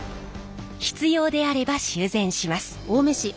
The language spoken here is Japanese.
必要であれば修繕します。